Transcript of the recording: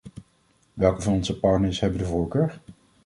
Welke van onze partners hebben de voorkeur?